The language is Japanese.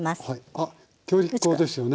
あっ強力粉ですよね？